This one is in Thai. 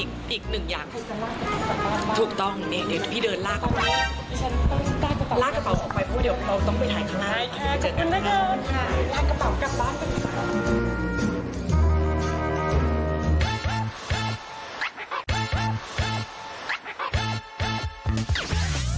อันนี้มันคือความตื่นเต้น